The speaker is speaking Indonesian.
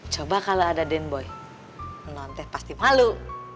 coba kalau ada den boy non teh pasti malu